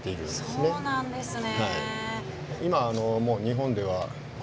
今もうそうなんですね。